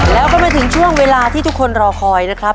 แล้วก็มาถึงช่วงเวลาที่ทุกคนรอคอยนะครับ